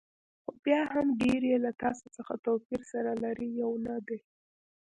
خو بیا هم ډېری یې له تاسو څخه توپیر سره لري، یو نه دي.